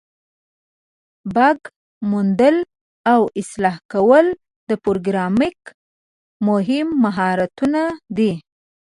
بګ موندل او اصلاح کول د پروګرامینګ مهم مهارتونه دي.